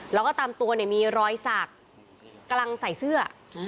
แล้วก็ตามตัวเนี่ยมีรอยสักกำลังใส่เสื้อ